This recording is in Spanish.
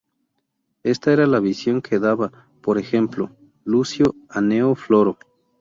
Esta era la visión que daba, por ejemplo, Lucio Anneo Floro.